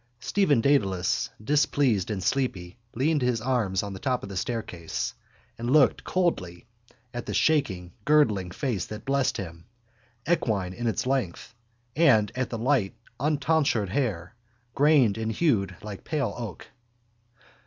Stephen Dedalus, displeased and sleepy, leaned his arms on the top of the staircase and looked coldly at the shaking gurgling face that blessed him, equine in its length, and at the light untonsured hair, grained and hued like pale oak.